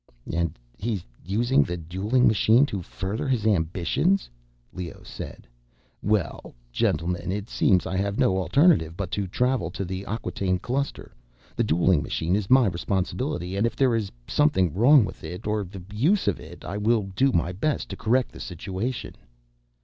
"And he's using the dueling machine to further his ambitions," Leoh said. "Well, gentlemen, it seems I have no alternative but to travel to the Acquataine Cluster. The dueling machine is my responsibility, and if there is something wrong with it, or with the use of it, I will do my best to correct the situation."